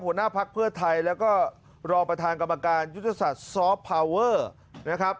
หัวหน้าพักเพื่อไทยแล้วก็รองประธานกรรมการยุทธศาสตร์ซอฟต์พาวเวอร์นะครับ